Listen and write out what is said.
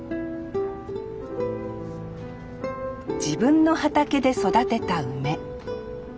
自分の畑で育てた梅。